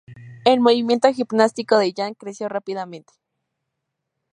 El movimiento gimnástico de Jahn creció rápidamente.